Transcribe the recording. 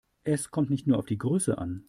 Es kommt nicht nur auf die Größe an.